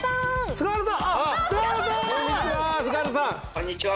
こんにちは！